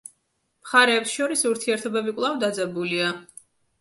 მხარეებს შორის ურთიერთობები კვლავ დაძაბულია.